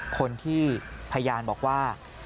คนที่พยายามบอกว่า